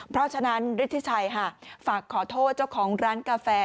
เพราะฉะนั้นฤทธิชัยค่ะฝากขอโทษเจ้าของร้านกาแฟ